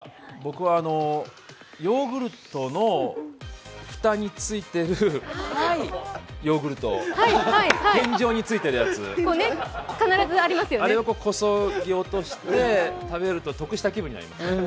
このパピコがいいなら僕はヨーグルトの蓋についてるヨーグルト、天井についてるやつ、あれをこそげ落として食べると得した気分になります。